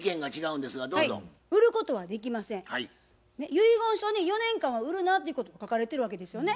遺言書に「４年間は売るな」っていうこと書かれてるわけですよね。